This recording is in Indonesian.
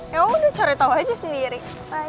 ya udah cari tau aja sendiri bye